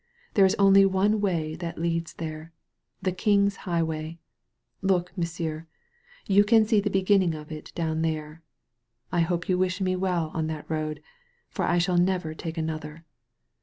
There is only one way that leads there — ^the King's high way. Look, monsieur, you can see the beginning of it down there. I hope you wish me well on that road, for I shall never take another.